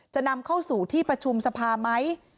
จะนำเข้าสู่ที่ประชุมสภาไหม